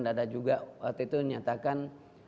dada juga waktu itu menyatakan